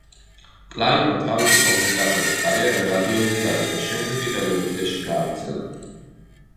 კლაივმა თავისი კომენტატორის კარიერა რადიოზე დაიწყო, შემდეგ კი ტელევიზიაში გააგრძელა.